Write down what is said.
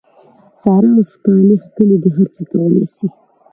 سارا اوس کالي کښلي دي؛ هر څه کولای سي.